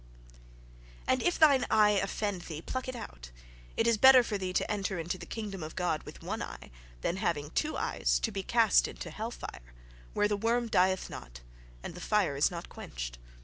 "And if thine eye offend thee, pluck it out: it is better for thee to enter into the kingdom of God with one eye, than having two eyes to be cast into hell fire; Where the worm dieth not, and the fire is not quenched."